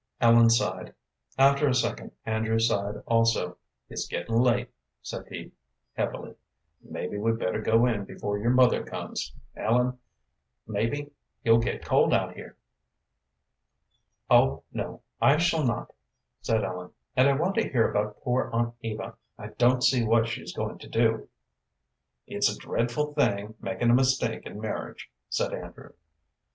Ellen sighed. After a second Andrew sighed also. "It's gettin' late," said he, heavily; "mebbe we'd better go in before your mother comes, Ellen. Mebbe you'll get cold out here." "Oh no, I shall not," said Ellen, "and I want to hear about poor Aunt Eva. I don't see what she is going to do." "It's a dreadful thing makin' a mistake in marriage," said Andrew.